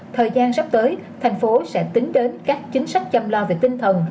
thời gian sắp tới thành phố sẽ tính đến các chính sách chăm lo về tinh thần